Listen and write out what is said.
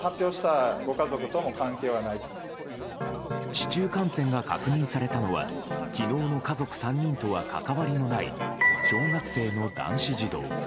市中感染が確認されたのは昨日の家族３人とは関わりのない小学生の男子児童。